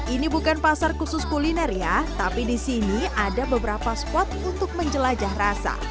ini bukan pasar khusus kuliner ya tapi di sini ada beberapa spot untuk menjelajah rasa